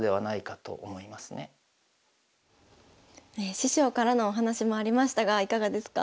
師匠からのお話もありましたがいかがですか？